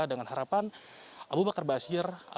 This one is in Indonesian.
dengan harapan abu bakar basir